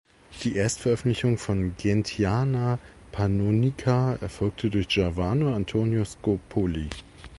Die Erstveröffentlichung von "Gentiana pannonica" erfolgte durch Giovanni Antonio Scopoli.